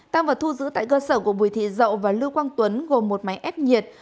tăng vật thu giữ tại cơ sở của bùi thị dậu và lưu quang tuấn gồm một máy ép nhiệt